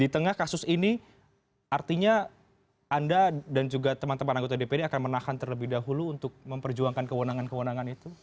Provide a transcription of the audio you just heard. di tengah kasus ini artinya anda dan juga teman teman anggota dpd akan menahan terlebih dahulu untuk memperjuangkan kewenangan kewenangan itu